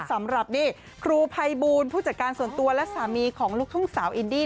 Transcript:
สำหรับนี่ครูภัยบูลผู้จัดการส่วนตัวและสามีของลูกทุ่งสาวอินดี้